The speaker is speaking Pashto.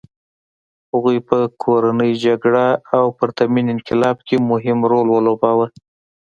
هغوی په کورنۍ جګړه او پرتمین انقلاب کې مهم رول ولوباوه.